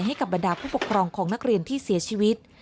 ให้กับบรรดาผู้ปกครองของนักเรียนที่เสียชีวิต